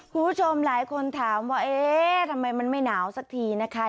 คุณผู้ชมหลายคนถามว่าเอ๊ะทำไมมันไม่หนาวสักทีนะคะ